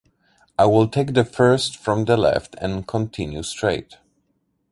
I will take the first from the left and continue straight.